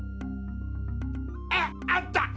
ああった！